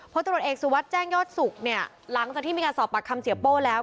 ตรวจเอกสุวัสดิ์แจ้งยอดสุขเนี่ยหลังจากที่มีการสอบปากคำเสียโป้แล้ว